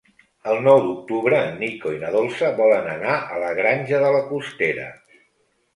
El nou d'octubre en Nico i na Dolça volen anar a la Granja de la Costera.